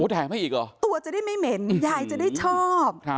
แถมให้อีกเหรอตัวจะได้ไม่เหม็นยายจะได้ชอบ